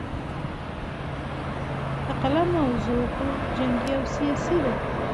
د فلم موضوع خو جنګي او سياسي ده